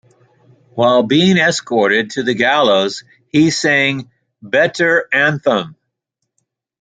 While being escorted to the gallows, he sang the Betar anthem.